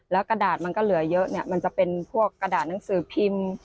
แล้วกระดาษมันก็เหลือเยอะเนี่ยมันจะเป็นพวกกระดาษหนังสือพิมพ์